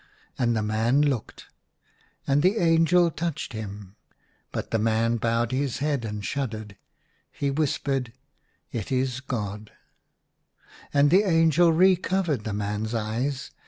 And the man looked. And the angel touched him. But the man bowed his head and shuddered. He whispered — ''It is God /" And the angel re covered the man's eyes.